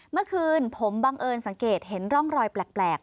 เมื่อคืนผมบังเอิญสังเกตเห็นร่องรอยแปลก